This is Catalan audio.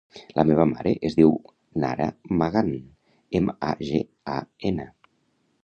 La meva mare es diu Nara Magan: ema, a, ge, a, ena.